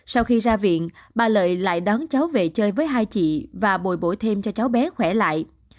sau khi ra viện bà lợi lại đón cháu về chơi với hai chị và bồi bổ thêm cho cháu bé khỏe lại